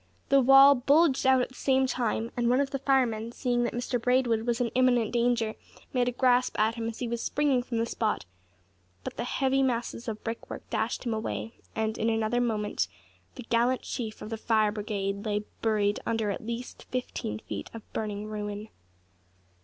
The wall bulged out at the same time; and one of the firemen, seeing that Mr Braidwood was in imminent danger, made a grasp at him as he was springing from the spot; but the heavy masses of brick work dashed him away, and, in another moment, the gallant chief of the Fire Brigade lay buried under at least fifteen feet of burning ruin.